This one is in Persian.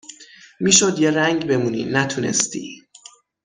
میشد یه رنگ بمونی نتونستی